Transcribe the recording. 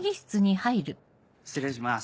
失礼します。